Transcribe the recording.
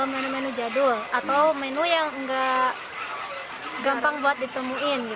menu menu jadul atau menu yang nggak gampang buat ditemuin